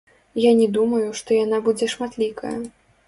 Я не думаю, што яна будзе шматлікая.